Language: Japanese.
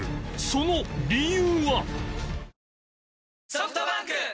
その理由は